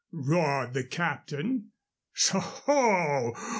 roared the captain. "Soho!